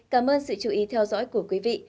cảm ơn sự chú ý theo dõi của quý vị